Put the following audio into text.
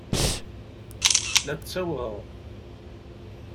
La ttawɣeɣ.